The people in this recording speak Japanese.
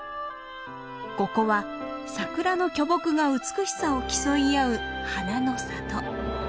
ここはサクラの巨木が美しさを競い合う花の里。